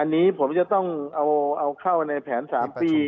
อันนี้ผมจะต้องเอาเข้าในแผน๓ปี